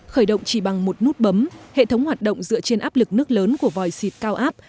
khởi động chỉ bằng một nút bấm hệ thống hoạt động dựa trên áp lực nước lớn của vòi xịt cao áp